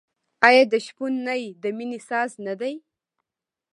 آیا د شپون نی د مینې ساز نه دی؟